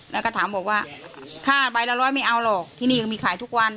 แล้วก็ถามบอกว่าค่าใบละร้อยไม่เอาหรอกที่นี่ก็มีขายทุกวัน